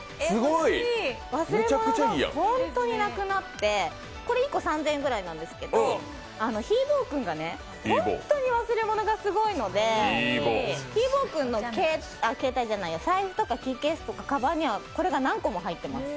忘れ物がホントになくなって、これ１個３０００円ぐらいなんですけどひーぼぉくんが本当に忘れ物がすごいのでひーぼぉくんの財布とかキーケースとかかばんにはこれが何個も入ってます。